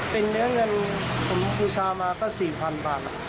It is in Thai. เป็นเนื้อเงินผมผู้ชาวมาก็สี่พันบาท